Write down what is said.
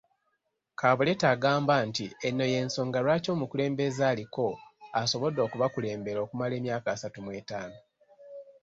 Kabuleta agamba nti eno y'ensonga lwaki omukulembeze aliko asobodde okubakulembera okumala emyaka asatu mw'etaano